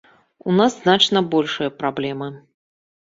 У нас значна большыя праблемы.